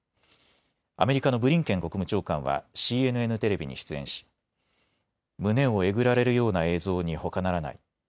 アメリカのブリンケン国務長官はＣＮＮテレビに出演し、胸をえぐられるような映像にほかならない。